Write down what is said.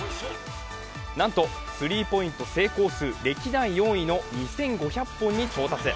なんとスリーポイント成功数、歴代４位の２５００本に到達。